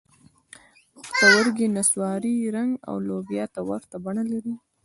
پښتورګي نسواري رنګ او لوبیا ته ورته بڼه لري.